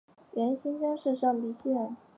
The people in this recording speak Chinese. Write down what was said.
袁翼新市乡上碧溪人。